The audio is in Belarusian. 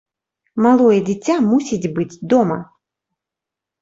Малое дзіця мусіць быць дома!